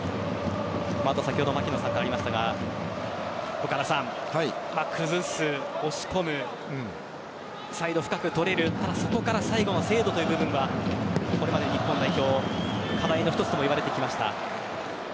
先ほど槙野さんからもありましたが崩す、押し込むサイド、深く取れるただ、そこから最後の精度という部分がこれまで日本代表課題の一つともいわれてきました。